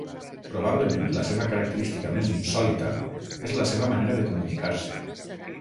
Probablement la seva característica més insòlita és la seva manera de comunicar-se.